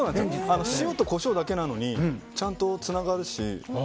塩とコショウだけなのにちゃんとつながるし。